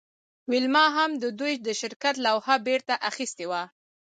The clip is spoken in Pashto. ویلما هم د دوی د شرکت لوحه بیرته اخیستې وه